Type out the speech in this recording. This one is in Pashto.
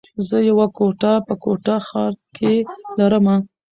زه يوه کوټه په کوټه ښار کي لره مه